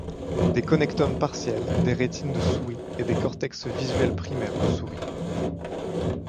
Des connectomes partiels des rétines de souris et des cortex visuels primaires de souris.